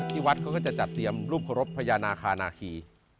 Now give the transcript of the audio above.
วัดเขาก็จะจัดเตรียมรูปเคารพพญานาคานาคี